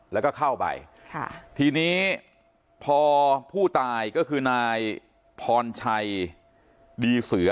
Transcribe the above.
แล้วก็เข้าไปค่ะทีนี้พอผู้ตายก็คือนายพรชัยดีเสือ